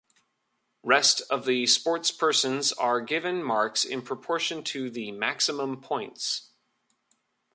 Rest of the sportspersons are given marks in proportion to the maximum points.